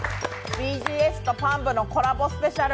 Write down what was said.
ＢＧＳとパン部のコラボスペシャル。